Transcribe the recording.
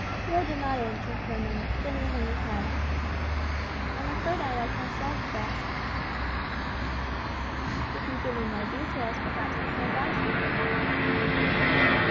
Roy did not answer for a minute, then he hung his head. "I'm afraid I like myself best." "If you give me more details, perhaps I can advise you."